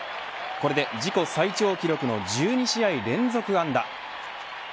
これで自己最長記録の１２試合連続ヒット。